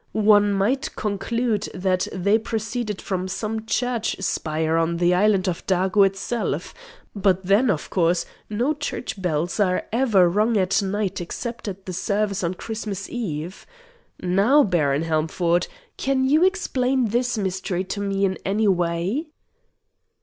One might conclude that they proceeded from some church spire on the island of Dago itself. But then, of course, no church bells are ever rung at night except at the service on Christmas Eve. Now, Baron Helmford, can you explain this mystery to me in any way?"